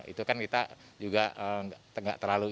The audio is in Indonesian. itu kan kita juga nggak terlalu